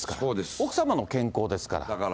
奥様の健康ですから。